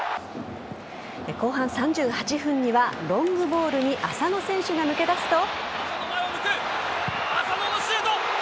後半３８分にはロングボールに浅野選手が抜け出すと。